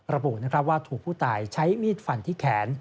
ระบุว่าถูกผู้ตายใช้มีดฟันที่แขน